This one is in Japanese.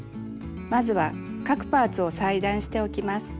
まずは各パーツを裁断しておきます。